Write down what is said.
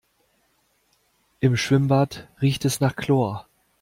Im Schwimmbad riecht es nach Chlor.